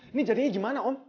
ini jadinya gimana om